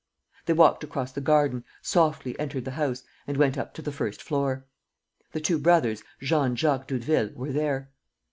They walked across the garden, softly entered the house and went up to the first floor. The two brothers, Jean and Jacques Doudeville, were there.